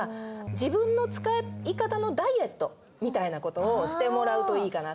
自分の使い方のダイエットみたいなことをしてもらうといいかな。